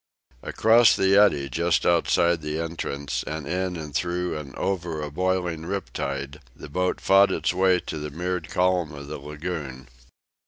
Across an eddy just outside the entrance, and in and through and over a boiling tide rip, the boat fought its way to the mirrored calm of the lagoon.